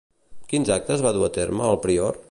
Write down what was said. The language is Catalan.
Quins actes va dur a terme el prior?